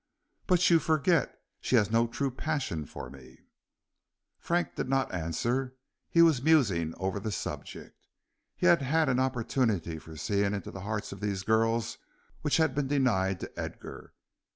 "But you forget, she has no true passion for me." Frank did not answer; he was musing over the subject. He had had an opportunity for seeing into the hearts of these girls which had been denied to Edgar.